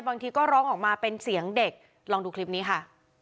บางทีก็ร้องออกมาเป็นเสียงเด็กลองดูคลิปนี้ค่ะ